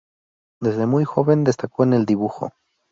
Desde muy joven destacó en el dibujo.